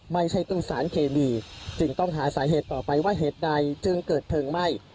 ไม่ใช่ตู้สารเคมีจึงต้องหาสาเหตุต่อไปว่าเหตุใดจึงเกิดเพลิงไหม้